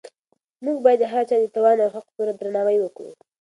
موږ باید د هر چا د توان او حق پوره درناوی وکړو.